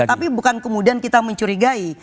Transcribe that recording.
tapi bukan kemudian kita mencurigai